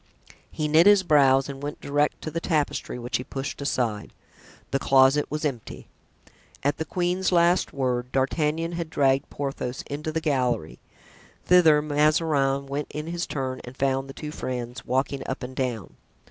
He knit his brows and went direct to the tapestry, which he pushed aside. The closet was empty. At the queen's last word, D'Artagnan had dragged Porthos into the gallery. Thither Mazarin went in his turn and found the two friends walking up and down.